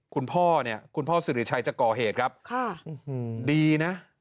คุณพ่อเนี่ยคุณพ่อสิริชัยจะก่อเหตุครับค่ะดีนะ